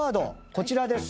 こちらです。